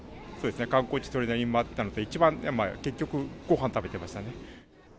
観光地、それなりに回ったので、一番、結局、ごはん食べてました